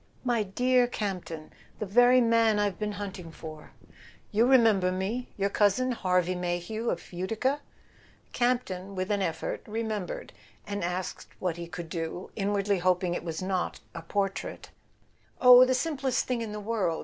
"My dear Campton—the very man I've been hunt¬ ing for ! You remember me—your cousin Harvey May hew of Utica ?" Campton, with an effort, remembered, and asked what he could do, inwardly hoping it was not a por¬ trait. "Oh, the simplest thing in the world.